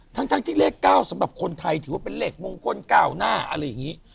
ทั้งที่เลข๙สำหรับคนไทยถือว่าเป็นเลขมงคล๙หน้าอะไรอย่างนี้